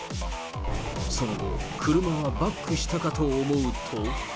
その後、車がバックしたかと思うと。